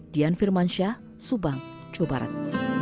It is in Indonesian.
dian firmansyah subang jawa barat